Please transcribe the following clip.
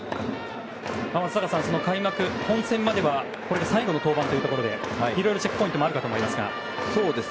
松坂さん、開幕、本戦まではこれが最後の登板ということでいろいろチェックポイントもあるかと思いますが。